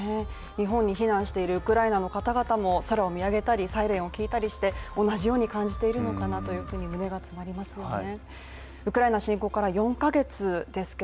日本に避難しているウクライナの方々も空を見上げたりサイレンを聞いたりして同じように感じているのかなというふうに胸が詰まりますね